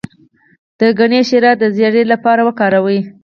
د ګني شیره د زیړي لپاره وکاروئ